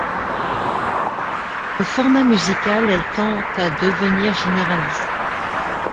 De format musical, elle tend à devenir généraliste.